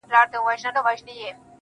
ستا خو د سونډو د خندا خبر په لپه كي وي.